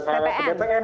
saya ke bpn